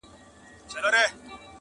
دا ته څنګه راپسې وې په تیاره کي!!